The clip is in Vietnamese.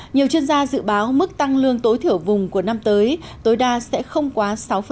nhiều chuyên gia dự báo mức tăng lương tối thiểu vùng của năm tới tối đa sẽ không quá sáu